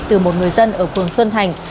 từ một người dân ở phường xuân thành